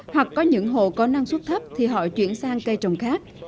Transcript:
hoặc có những hộ có năng suất thấp thì họ chuyển sang cây trồng khác